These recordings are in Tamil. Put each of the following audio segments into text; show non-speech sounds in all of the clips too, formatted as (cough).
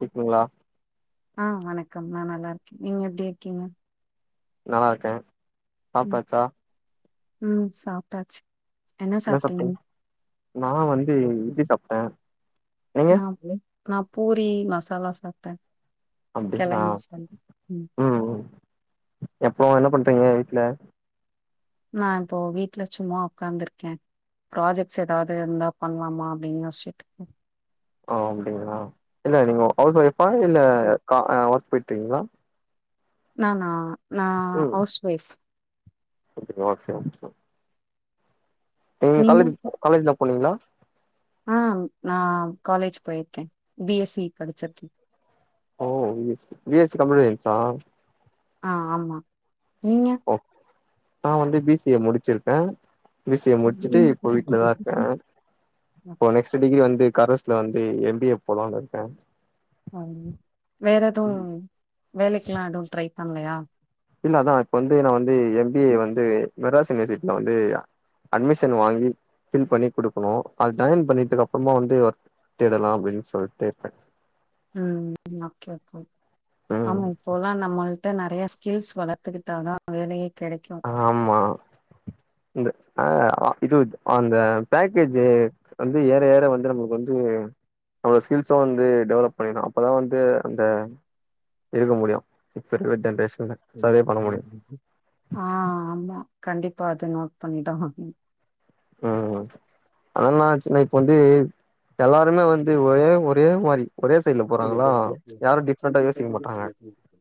கேக்குதுங்களா ஆ வணக்கம் நா நல்லா இருக்க நீங்க எப்டி இருக்கீங்க நல்லா இருக்கே ம் சாப்ட்டாச்சா ம் சாப்ட்டாச்சு என்ன சாப்ட்டீங் நா வந்து இட்லி சாப்ட்ட ந பு நா பூரி மசாலா சாப்ட்ட அப்டிங்ளா ம் ம் எப்போ என்ன பண்றீங்க வீட்ல நா இப்போ வீட்ல சும்மா உக்காந்துருக்கே ப்ராஜெக்ட்ஸ் ஏதாவது இருந்தா பண்லாமா அப்டின்னு யோச்சிட்டு இருக்க ஆ அப்டிங்ளா இல்ல நீங்க ஹவுஸ் ஒய்ஃபா இல்ல இருக்கேன். ஒர்க் போய்டீங்ளா நானா நா ஹவுஸ் ஒய்ஃப் ம் ஓகே ஓகே நீங் காலேஜ் நீங்க காலேஜ்லா போனீங்ளா ஆ நா காலேஜ் போய்ருக்கே பி எஸ் சி படிச்சிருக்க ஓ B S C B S C computer சைன்ஸ்சா ஆ ஆமா நீங்க ஒ நா வந்து பி சி எ முடிச்சிருக்கே பி சி எ முடிச்சிட்டு இப்ப வீட்லதா இருக்க ம். இப்போ நெக்ஸ்ட் டிகிரி வந்து கரஸ்ல வந்து எம் பி ஏ போலான் இருக்கே ம் வேற எதுவு வேலைக்லா எதுவு ட்ரை பண்ணலயா இல்ல அதா இப்ப வந்து நா வந்து எம் பி ஏ வந்து மெட்ராஸ் யுனிவர்சிட்டில வந்து அட்மிஷன் வாங்கி ஃபில் பண்ணி குடுக்குணு அது ஜாயின் பண்ணிட்டுக்கு அப்றமா வந்து தேடலா அப்டின் சொல்ட்டு இருக்க ம் ஓகே ஓகே ம் ஆமா இப்போலா நம்ம ட நறைய ஸ்கில்ஸ் வளத்துக்கிட்டா தா வேலயே கெடைக்கு ஆமா இந்த அ ஆ இது அந்த பேக்கேஜ்ஜு வந்து ஏற ஏற வந்து நம்மளுக்கு வந்து நம்ளோட ஸ்கில்ஸ வந்து டெவலப் பண்ணிடு அப்பதா வந்து அந்த இருக்க முடியு இப்போ இருக்க ஜென்ரேஷனு சர்வே பண்ண முடியு ஆ ஆமா கண்டிப்பா அத நோட் பண்ணிதா ஆகனு ம் அதெல்லா ஆச்சுன்னா இப்ப வந்து எல்லாருமே வந்து ஒரே ஒரே மாரி ஒரே சைலப்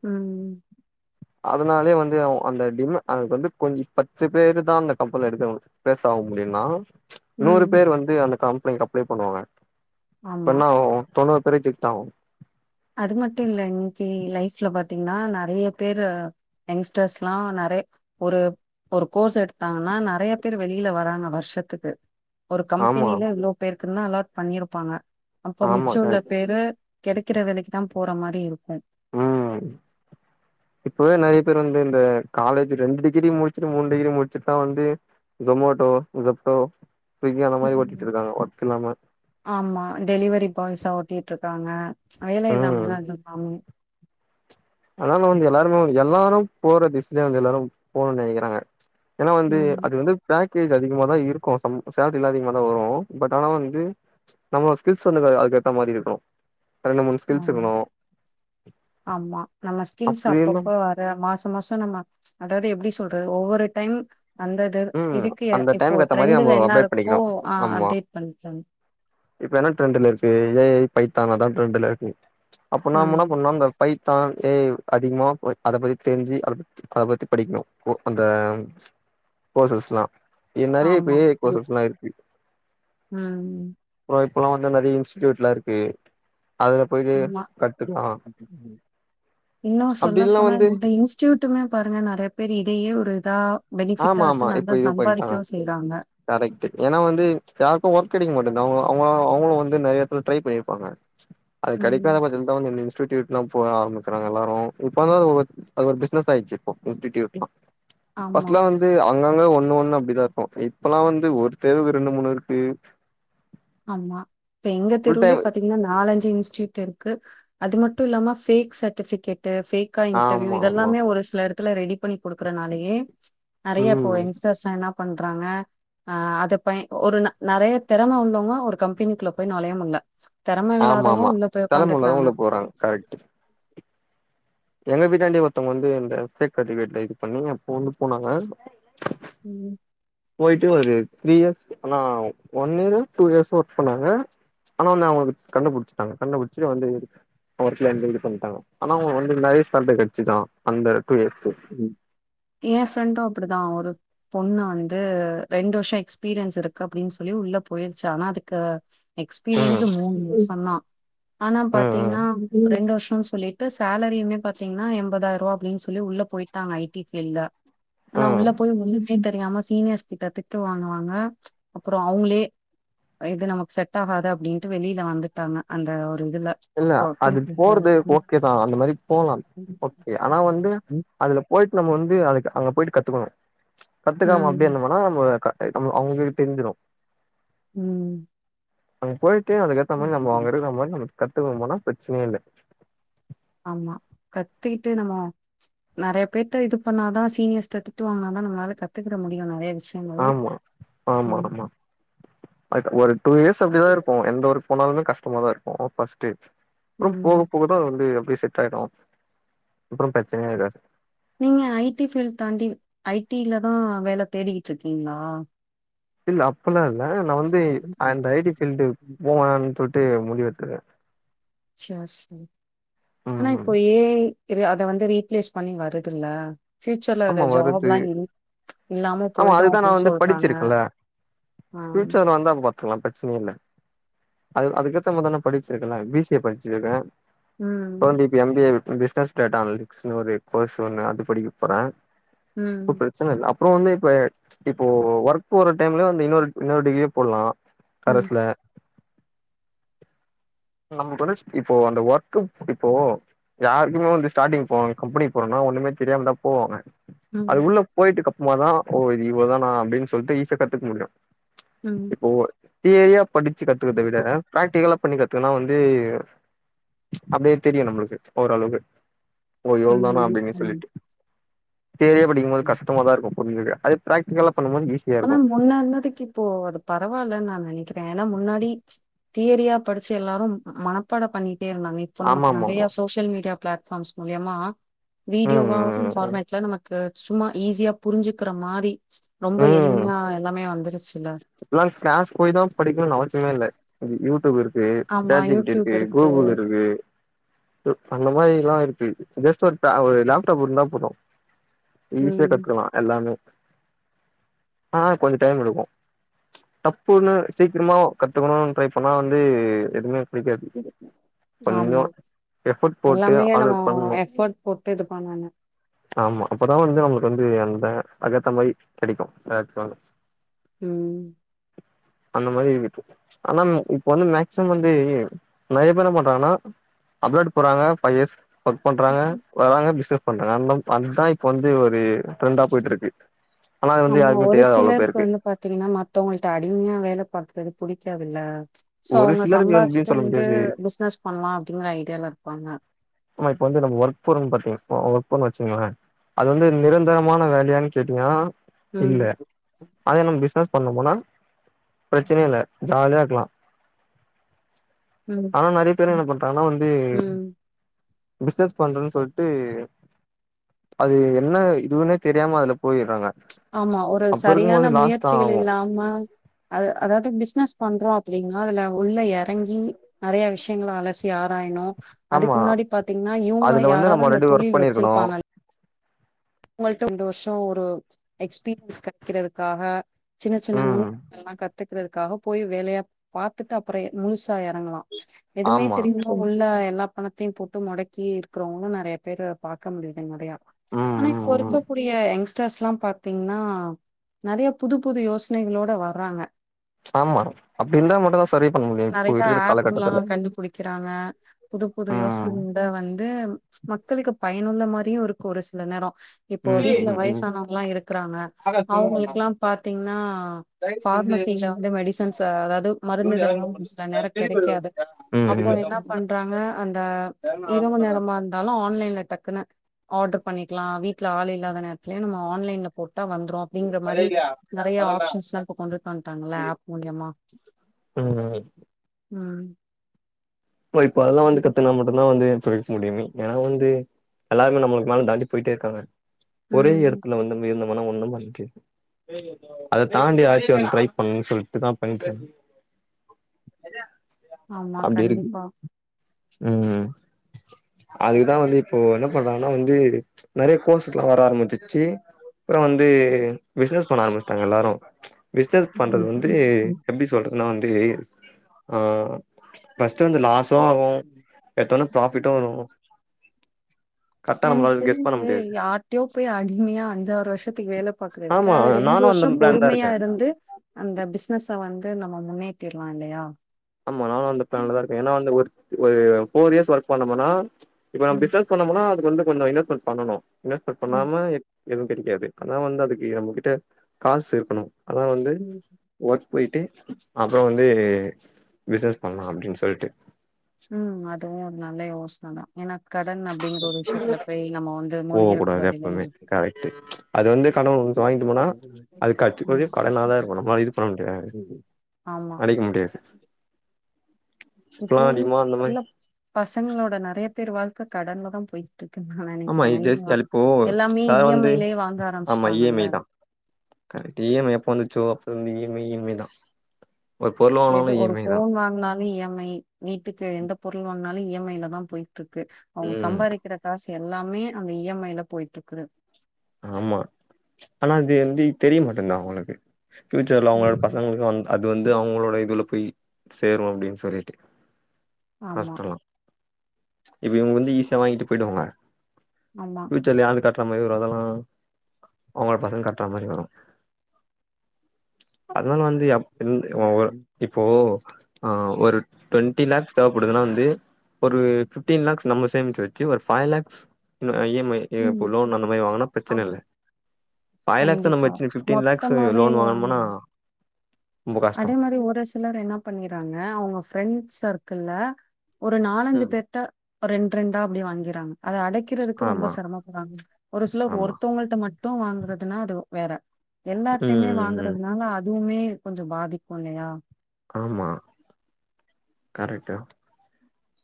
ம் அதனாலே வந்து அந்த டிம் அதுக்கு வந்து கொஞ் பத்து பேரு தா அந்த கம்பென்ல எடுக்காங் பேஸ் ஆவு அப்டின்னா நூறு ம் பேரு வந்து அந்த கம்லெயின்கு அப்ளை பண்ணுவாங்க ஆமா இப்பன தொண்ணூறு பேர் ரிஜெக்ட்டாவு அது மட்டு இல்ல இன்னக்கி லைஃப்ல பாத்தீங்கன்னா நெறய பேரு யங்ஸ்டர்ஸ்ல்லா நெறய ஒரு ஒரு கோர்ஸ் எடுத்தாங்கன்னா நெறய பேரு வெளில வராங்க வருஷத்துக்கு ஒரு ஆமா கம்பெனில இவ்ளோ பேருக்கு தா அலாட் பண்ணிருப்பாங்க அப்போ ஆமா மிச்ச உள்ள கரெக்ட் பேரு கெடக்கிற வேலக்கி தா போற மாரி இருக்கு ம் இப்பவே நெறய பேரு வந்து இந்த காலேஜி ரெண்டு டிகிரி முச்சிட்டு மூணு டிகிரி முச்சிட்டு தா வந்து சொமோட்டோ ஜப்டோ ஸ்விக்கி அந்த மாரி ம் ஓட்டிட்டு இருக்காங்க ஒர்க் இல்லாம ஆமா டெலிவரி பாய்ஸா ஓட்டிட்டு இருக்காங்க வேல ம் இல்லாமலா இல்ல ஆனால நா வந்து எல்லாருமே எல்லாரு போற திசயிலே வந்து எல்லாரு போணும்னு நினக்கிறாங்க ஏன்னா வந்து ம் அது வந்து பேக்வேஜ் அதிகமா தா இருக்கு சம் சேல்ட்ரிலா அதிகம தா வரும் பட் ஆனா வந்து நம்ம ஸ்கில்ஸ் வந்து அதுக்கேத்த மாரி இருக்கணு ரெண்டு மூணு ம் ஸ்கில்ஸ் ஆம். இருக்கணு ஆமா நம்ம ஸ்கில்ஸ் அப்டின்னு அப்பப்போ மாஷோ மாஷோ நம்ம அதாது எப்டி சொல்றது ஒவ்வொரு டைம் அந்த ம் இதுக்கு அந்த இப்போ டைம்க்கு ஏத்த மாரி நம்ம டரெண்டல அப்டேட் என்னருக்கோ பண்ணிக்கணு ஆ ஆமா அப்டேட் பண்ணிகோ இப்ப என்ன டரெண்ட்லருக்கு ஏய பைத்தான் அதா ட்ரெண்ட்லருக்கு அப்பனா முன்னா ம் பண்ணா அந்த பைத்தான் ஏ அதிகமா அத பத்தி தெரிஞ்சு அத அத பத்தி படிக்கணு ஒ அந்த போசஸ்லா ஆமா ம் அப்புறோ இப்பல்லா வந்து நிறைய இன்ஸ்டியூட்லாருக்கு அதுல போயிட்டு நா கத்துக்கலா இன்னு அப்டி சொல்ல இல்லனா போனா வந்து இந்த இன்ஸ்டூ டுமே பாருங்க நிறைய பேர் இதையே ஒரு தா ஆமா பெனிஃபிட்டா ஆமா வச்சு நல்லா இப்ப இது பண்ணிட்டாங்க சம்பாதிக்கவு செய்றாங்க கரெக்ட் ஏன்னா வந்து யாருக்கு ஒர்க்கடிக்க மாட்டேது அவங்க அவ அவங்களு வந்து நிறைய பேர் ட்ரை பண்ணிருப்பாங்க அது ம் கிடைக்காத பச் அவங்க இந்த இன்ஸூட்லா போக ஆரம்பிக்றாங்க எல்லாரு இப்ப தா அத அத பிஸ்னஸ் ஆய்டுச்சு இப்போ இஸூட்லா ஆமா பஸ்ட்லா வந்து அங்கங்க ஒண்ணு ஒண்ணு அப்படிதாருக்கோ இப்பல்லா வந்து ஒரு தேர்வு ரெண்டு, மூணுருக்கு ஆமா இப்ப எங்க ஃபுல் தெருவுலே டைம் பாத்தீங் ன்ன நாலஞ்சு இன்ஸ்டூட்ருக்கு அது மட்டுல்லாம ஃபேக் சர்ட்டிபிகேட் ஃபேக் கா இன்டர்வியூ ஆமா ஆமா இதெல்லாமே ஒரு சில இடத்துல ரெடி பண்ணி கொடுக்குறனாலயே நிறைய இப்ப ம் யங்ஸ்டர்ஸ் என்ன பண்றாங்க அத ப ஒரு நெறைய திறமை உள்ள ஒரு கம்பெனிக்குள்ள போய் நொலைய முட்ல திறம ஆமா ஆமா இல்லாதவங்க உள்ள போய் திறமயுள்ளவங்க உக்காந்துக்கறாங்க உள்ள போறாங்க கரெக்ட் எங்க வீட்டாண்டி ஒருத்தவங்க வந்து இந்த ஃபேக்ரேட்ல இது பண்ணி அப்ப வந்து போனாங்க ம் போயிட்டு ஒரு த்ரீ இயர்ஸ் அனா ஒன்இயர், டூஇயர்ஸ் ஒர்க் பண்ணாங்க ஆனா வந்து அவங்களுக்கு கண்டுபுடிச்ட்டாங்க கண்டுபிடிச்சி வந்து ஒர்க்ல எந்த இது பண்ணிட்டாங்க ஆனா அவங்க வந்து இந்த பலத்தை கிச்சிதா அந்த டூ இயர்ஸ் ஏன் ஃப்ரெண்டு அப்படிதா ஒரு பொண்ணு வந்து ரெண்டு வருஷோ எக்ஸ்பீரியன்ஸ்ருக்கு அப்படின்னு சொல்லி உள்ள போயிருச்சு ஆனா அதுக்கு ம் எக்ஸ்பீரியன்ஸு மூனு சொன்னா ஆனா ம் பாத்தீங்ன்னா (inaudible) ரெண்டு வருஷம் சொல்லிட்டு சேலரிமே பாத்தீங்ன்னா எண்பதாய்ரூவா அப்டின் சொல்லி உள்ள போயிட்டாங்க ஐ டி ஃபீல்ல ஆனா ம் ம் உள்ள போய் ஒன்னும் மே தெரியாம சீனியர்ஸ் கிட்ட திட்டு வாங்குவாங்க அப்புறோ அவுங்ளே இது நமக்கு செட் ஆகாது அப்டின்ட்டு வெளில வந்துட்டாங்க அந்த ஒரு இதுல இல்ல போ அது போறுது ஓகே தா அந்த மாரி போலாம் இப்ப ஆனா வந்து அதுல போயிட்டு நம்ம வந்து அதுக்கு அங்க போயிட்டு கத்துக்கணு கத்துக்காம அப்டியே ம் இந்தோம்னா (unintelligible) மே அக்கா நம்ம அவுங்குளுக் தெரிஞ்சிடும் ம் அங்க போயிட்டு அதுக்கேத்த மாரி நம்ம அங்க இருக்கற மாரி நம்ம கத்துக்குனு போனா பிரச்சனயே இல்ல ஆமா கத்துக்கிட்டு நம்மோ நெறையா பேர்ட்ட இது பண்ணாதா சீனியர்ஸ்ட்ட திட்டு வாங்கனாதா நம்மளால கத்துக்குட முடியு நெறைய விஷ் ஆமா ஆமா ஆமா பட் ஒரு டூ இயர்ஸ் அப்டிதா இருக்கும் எந்த ஒர்க் போனாலுமே கஷ்டமா தா இருக்கும் ஃபர்ஸ்ட்டு அப்றோம் போக ம் போகதா வந்து அப்டியே செட் ஆய்டோ அப்புறோ பிரச்சனயே இர்க்காது நீங்க ஐ டி ஃபீல் தாண்டி ஐ டில தா வேல தேடிக்கிட்ருக்கீங்ளா இல்ல அப்பல்லா இல்ல நா வந்து அந்த ஐ டி ஃபீல்டு போ வேணா சொல்ட்டு முடிவு எடுத்ருக்க சேர் செரி ஆனா ம் இப்போ ஏ ஐ இல்ல அத வந்து ரீப்ளேஸ் பண்ணி வருதுல்ல ஃபியூச்சர்ல அந்த ஆமா வருது ஜாப்லா இல் இல்லாம ஆமா போய்டோ அதுதா நா அப்டின் வந்து சொல்றாங்க படிச்சிருக்கேன்ல ஆ ஃபியூச்சர்ல வந்தா அப்ப பாத் லா பிரச்சன இல்ல அது அதுக்கேத்த மாதான படுச்சிருக்கேல பி சி ஏ படுச்சிருக்கே ம் (unintelligible) ம் வந்து பிஸ்னஸ் கேட்டா அது இது (unintelligible) கோர்ஸ் ஒண்ணு அது படிக்கும் ம் அப்புறோ சொல்ல அப்புறோ வந்து இப்ப இப்போ ஒர்க் போற டைம்ல வந்து இன்னொரு இன்னொரு டிகிரியு போல்லா ம் கரஸ்ல நம்ப்ளுக் வந்துருச் இப்போ அந்த ஒர்க்கும் இப்போ யாருக்குமே வந்து ஸ்டார்டிங் போவ் கம்பெனி போனா ஒண்ணுமே தெரியாம தா போவாங்க அது உள்ள போயிட்டு கப்புமா தா ஓ இது இவ்ளதானா அப்டின் சொல்ட்டு ஈசா கத்துக்க முடியும் ம் ப்போ தேரியா படிச்சு கத்துக்கற்த விட பிராக்டிகலா பண்ணிக்கத் துக்குனா வந்து அப்டியே தெரியும் நம்ப்ளுக்கு ஓரளவு இன்னு எவ்ள் நேனு அப்டின்னு ம் சொல்லிட்டு தேரியா படிக்கும் போது ம் கஷ்டமா தா இருக்கும் உண்மைய்லே அது பிராக்டிக்கல்ல பண்ணும் மோது ஈஸ் ஆனா முன்னானத்துக்கு இப்போ அது பரவாயில்லன் நா நெனைக்கிற ஏன்னா முன்னாடி தேரியா படிச்சு எல்லாரும் மனப்பாட பண்ணிட்டே இருந்தாங்க இப்ப ஆமா நமக்கு ஆமா நெறைய ஆமா சோசியல் மீடியா பிளாட்ஃபார்ம்ஸ் மூலியமா ம் வீடியோவா ம் ஃபார்மேட்ல நமக்கு சும்மா ஈஸியா புரிஞ்சுக்கிற மாரி ரொம்ப எளிமையா எல்லாமே வந்துருச்சு இப்பல்லா க்ளாஸ் போய் தா படிக்கணுன் அவசியமே இல்ல யூடியூப் இருக் கு ஆமா chat G P T YouTube இருக்கு கூகுல் இருக்கு கு அந்த மாரில்லா இருக்கு ஜஸ்ட் ஒரு ஒரு லேப்டாப் இருந்தா போதும் ஈஸியா ம் கத்துக்லா எல்லாமே ஆனா கொஞ்சம் டைம் எடுக்கும் டப்புன்னு சீக்கிரமா கத்துக்கணுன் ட்ரை பண்ணா வந்து எதுவுமே கெடைக்காது ஆமா கொஞ்சம் எஃபோர்ட் போட்டு எல்லாமே ஹார்ட் நம்ம ஒர்க் பண்ணுனோ எஃபர்ட் போட்டு இது பண்ணனு ஆமா அப்ப தா வந்து நம்ளுக்கு வந்து அந்த அது ஏத்த மாரி கெடைக்கும் பிளாட்ஃபார்ம்மு ம் ம் அந்த மாரி இருக்கு ஆனா இப்ப வந்து மேக்சிமம் வந்து நறைய பேர் என்ன பண்றாங்கனா அப்ராடு போறாங்க ஃபைவ் இயர்ஸ் ஒர்க் பண்றாங்க வராங்க பிசினஸ் பண்றாங்க அந்த அதுதா இப்ப வந்து ஒரு ட்ரெண்டா போயிட்டு இருக்கு ஆனா அது வந்து யாருக்குமே தெரியாது அவ்ளோ பேருக்கு பாத்தீங்னா மத்தவங்கள்ட்ட அடிமையா வேலை பாக்கிறது புடிக்காதுல சோ ஒரு அவங்க சிலருக்கு சம்பாதிச்சுட்டு எப்டின்னு சொல்ல வந்து முடியாது பிசினஸ் பண்ணலா அப்படிங்கிற ஐடியால இருப்பாங்க ஆமா இப்ப வந்து நம்ம ஒர்க் போறோன்னு பாத்தீங் ஒர்க் பண்ணா வச்சுங்களே அது வந்து நிரந்தரமான வேலையான்னு கேட்டீங்கனா ம் இல்ல அதே நம்ம பிசினஸ் பண்ணமுனா பிரச்சனயே இல்ல ஜாலியா இருக்கலா ம் ஆனா நறைய பேரு ம் என்ன பண்றாங்கனா வந்து ம் பிசினஸ் பண்றன்னு சொல்ட்டு அது என்ன இதுன்னே தெரியாம அதுல போயிட்றாங்க ஆமா ஒரு சரியான முயற்சிகள் இல்லாம அது அதாவது பிசினஸ் பண்றோ அப்டின்னா அதுல உள்ள எறங்கி நறைய விஷயங்கள அலசி ஆராயணு அதுக்கு ஆமா முன்னாடி பாத்தீங்னா இவங்க அதுல வந்து யாராவது நம்ம அந்த ஆல்ரெடி ஒர்க் தொழில் பண்ணிருக்கணு வச்சிருப்பாங்க அவங்கள்ட்ட ரெண்டு வருஷோ ஒரு எக்ஸ்பீரியன்ஸ் கெடைக்கிறதுக்காக சின்ன சின்ன ம் நுணுக்கங்கள்லா கத் துக்கிறதுக்காக போய் வேலையா பாத்துட்டு அப்பறோ முழுசா எறங்கலா எதுமே ஆமா தெரியாம உள்ள எல்லா பணத்தையு போட்டு முடக்கி இருக்றவங்களு நறைய பேரு பாக்க முடியுது நறையா ம் ஆனா இப்ப ம் ம் இருக்ககூடிய யங்ஸ்டர்ஸ் எல்லா பா த்தீங்னா நறைய புது புது யோசனைகளோட வறாங்க ஆமா அப்டி இருந்தா மட்டுந்தா சர்வே பண்ண முடியு இப்போ நறைய இருக்கிற ஆப்லா காலகட்டத்துல கண்டு புடிக்கிறாங்க புது புது யோசனை ம் இத வந்து மக்களுக்கு பயனுள்ள மாரியு இருக்கு ஒரு சில நேரோ இப்போ ம் வீட்ல ம் ம் வயசானவங்கல்லா இருக்குறாங்க ஆகாஷ் ஃபோன் பண்ணா அவங்களுக்லா பாத்தீங்னா ஜெகதீஷ் வந்து ஃபார்மசியில வந்து மெடிசன்ஸ் அ அதாவது ஜூன் மருந்துகள்லா யாருக்கு சில பண்ணுது நேரம் செடி பயிர் கெடைக்காது மச்சான் செடி அப்போ பயிர் தான் என்ன போட்டாங்க பண்றாங்க அந்த நான் இரவு பண்றாங்க நேரமா இருந்தாலு ஆன்லைன்ல டக்குனு ஆர்டர் பண்ணிக்கலா வீட்டுல ஆள் இல்லாத நேரத்துலயே நம்ம ஆன்லைன்ல போட்டா வந்துரு அப்டிங்க அதே மாரி இல்லையா நறைய அதெல்லாம் ஆப்ஷன்ஸ்லா இப்ப கொண்டுட்டு வந்ட்டாங்கல்ல சரி ஆப் மூலியமா ம் ம் இப்ப இப்போ அதெல்லா வந்து கத்துகினா மட்டுந்தா வந்து இப்ப முடியுமே ஏன்னா வந்து எல்லாருமே நம்மளுக்கு மேல தாண்டி போயிட்டே இருக்காங்க ஒரே ம் எடத் குள்ள வந்து விழுந்தம்முனா ஒண்ணு பண்ண முடியாது அத தாண்டி எதாச்சு ஒன்னு ட்ரை பண்ணு சொல்ட்டுதா பண்ணிட்டு நெறையா ஆமா கண்டிப்பா ம், ம் அதுதா வந்து இப்போ என்ன பண்றாங்கனா வந்து நெறைய கோர்ஸஸ்லா வர ஆரம்பிச்சிடுச்சு அப்பறோ வந்து பிசினஸ் பண்ண ஆரம்பிச்சட்டாங்க எல்லாரு பிசினஸ் பண்றது வந்து எப்படி சொல்றதுன்னா வந்து ஆ ஃப ஸ்ட் இந்த லாஸ்சு வரு எடுத்தோன ப்ராஃபிட்டு வரு கரெக்டா எனக்கு நம்மளால கெஸ் பண்ண தெரிஞ்சு முடியாது யாரிட்டையோ போய் அடிமையா அஞ்சாறு வருஷத்துக்கு வேலை பாக்குறதுக் கு ஆமா அது ரெண்டு நானு அந்த வருஷம் பிளான் தா பொறுமையா இருக்கே இருந்து அந்த பிசினஸ்ஸ வந்து நம்ம முன்னேத்திரலா இல்லையா ஆமா நானு அந்த பிளான்லதா இருக்கே ஏன்னா வந்து ஒரு ஒரு ப்போர் இயர்ஸ் ஒர்க் பண்ணோனா இப்ப நம்ம ம் பிசினஸ் பண்ணோமனா அதுக்கு வந்து கொஞ்சு இன்வெஸ்மென்ட்ஸ் பண்ணனு இன்வெஸ்மென்ட்ஸ் ம் பண்ணாம எதுவு கெடைக்காது ஆனா வந்து அதுக்கு நம்ம கிட்ட காசு இருக்கணு அனா வந்து ஒர்க் போயிட்டு அப்புறோ வந்து பிஸ்னஸ் பண்ணலா அப்படின்னு சொல்லிட்டு ம் அதுவு ஒரு நல்ல யோசன தா ஏன்னா கடன் அப்படிங்கிற ஒரு விஷயத்துல போய் நம்ம வந்து மூழ்கிருக்க கூடாதுனு இல் ம்ச் அது வந்து கடனு ஒருத்த வாங்கிட்டு போனா அதுகடைசி ம் வரைக்கு கடனா தா இருக்கனு நம்ம இது பண்ணோனு வெச்சுக்கேயே ஆமா அடைக்க முடியாது இப்போ இப்பல்லா உள்ள அதிகமா அந்த மாரி இல்ல பசங்களோட நெறையா பேர் வாழ்க்க கடன்ல தா போயி ஆமா இது ஜஸ்ட் ஆனா இப்போ (unintelligible) எல்லாமே அத இ எம் வந்து ஐ லயே வாங்க ஆமா இ எம் ஆரம்ச்சுட்டாங்கல்ல ஐ தான் கரெக்ட் இ எம் ஐ எப்ப வந்துச்சோ அப்ப இருந்து E M I E M I தா எது ஒரு போன் வாங்கினாலு இ எம் ஐ வீட்டுக்கு எந்த பொருள் வாங்கினாலு இ எம் ஐ ல தா போயிட்டு இருக்கு அவங்க ம் சம்பாதிக்கிற காசு எல்லாமே அந்த இ எம் ஐல போயிட்டு இருக்கு ஆமா ஆனா அது வந்து தெரியமாட்டேங்குது அவங்களுக்கு ஃபியூச்சர்ல அவங்களோட ம் பசங்களுக்கு வந்த அது வந்து அவங்களோட இதுல போய் சேரு அப்படின்னு சொல்லிட்டு ஆமா கஷ்டலா இப்ப இவங்க வந்து ஈஸியா வாங்கிட்டு போயிடுவாங்க ஆமா ஃபியூச்சர்ல யாராவது கட்டுற மாதிரி வரு அதெல்லா அவங்கள பசங்க கட்டுற மாரி வரு அதனால வந்து எப் எந் வொ இப்போ ஆ ஒரு டுவெண்ட்டி லே்ஸ் தேவைப்படுதுன்னா வந்து ஒரு பிப்டீன் லேக்ஸ் நம்ம சேமிச்சு வெச்சு ஒரு five lakhs E M I ம் லோன்ம மை லோன் பிரச்சன இல்ல ஆமா ஃபைவ் லேக்ஸ்ஸ நம்ம கண்டிப்பா வெச்சுனு பிப்டீன் லேக்ஸ்ஸ மொத்தமாவே லோன் வாங்குனோம்னா வாங்கனு அதே மாரி ஒரு சிலர் என்ன பண்ணிறாங்க அவங்க ஃப்ரெண்ட் சர்க்கிள்ள ஒரு நாலஞ்சு ம் பேருட்ட ரெண்டு ரெண்டா அப்படி வாங்கிறாங்க அத அடைக்கி கிறதுக்கு ரொம்ப ஆமா செரமப்படுறாங்க ஒரு சிலர் ஆமா ஒருத்தவங்கள்ட மட்டு வாங்குறதுன்னா அது வேற எல்லார்டையுமே ம் ம் வாங்குறதுனால அதுவுமே கொஞ்சோ பாதிக்கு இல்லையா ஆமா கரெட்டு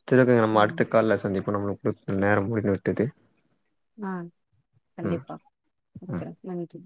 செரிங்க நம்ம ம் அடுத்த கால்ல சந்திப்போ நம்முளுக்கு குடுத்த நேரோ முடிந்து விட்டது ஆ ம் கண்டிப்பா ம் வக்கிரே நன்றி